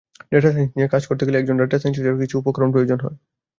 Data science নিয়ে কাজ করতে গেলে একজন ডেটা সাইন্টিস্টের কিছু উপকরন প্রয়োজন হয়।